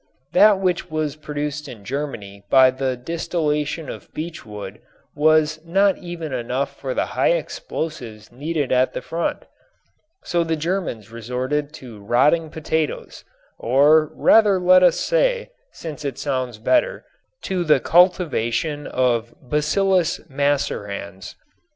That which was produced in Germany by the distillation of beech wood was not even enough for the high explosives needed at the front. So the Germans resorted to rotting potatoes or rather let us say, since it sounds better to the cultivation of Bacillus macerans.